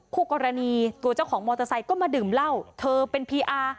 คู่กรณีตัวเจ้าของมอเตอร์ไซค์ก็มาดื่มเหล้าเธอเป็นพีอาร์